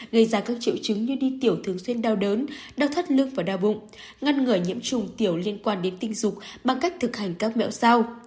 gây ra các triệu chứng như đi tiểu thường xuyên đau đớn đau thắt lưng và đau bụng ngăn ngừa nhiễm trùng tiểu liên quan đến tình dục bằng cách thực hành các mẹo